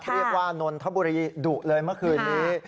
เรียกว่านนทบุรีดุเลยเมื่อคืนนี้